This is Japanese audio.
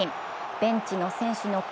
ベンチの選手の感